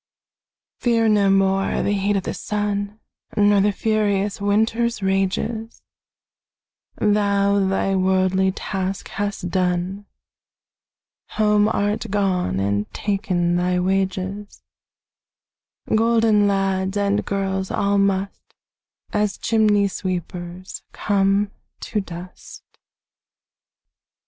Fear no more the heat o' the sun, Nor the furious winter's rages; Thou thy worldly task hast done, Home art gone, and ta'en thy wages: Golden lads and girls all must, As chimney sweepers, come to dust.